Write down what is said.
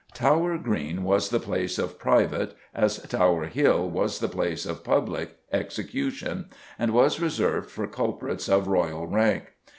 Tower Green was the place of private, as Tower Hill was the place of public, execution, and was reserved for culprits of Royal rank.